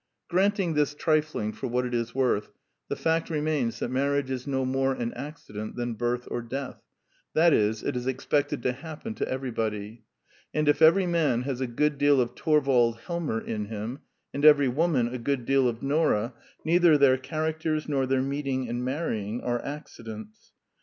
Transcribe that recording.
Granting this tri fling for what it is worth, the fact remains that marriage is no more an accident than birth or death : that is, it is expected to happen to every body. And if every man has a good deal of Torvald Helmer in him, and every woman a good deal of Nora, neither their characters nor their meeting and marrying are accidents.